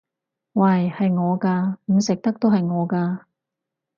喂！係我㗎！唔食得都係我㗎！